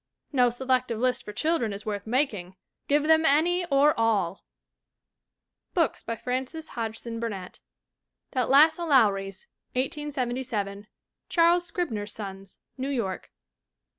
No selective list for children is worth making; give them any or all! BOOKS BY FRANCES HODGSON BURNETT That Lass o' Lowrie's, 1877. Charles Scribner s Sons, New York.